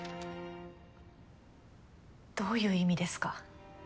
どういう意味ですか？